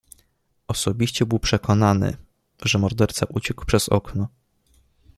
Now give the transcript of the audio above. "Osobiście był przekonany, że morderca uciekł przez okno."